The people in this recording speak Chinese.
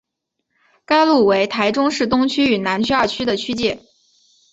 该路为台中市东区与南区二区的区界。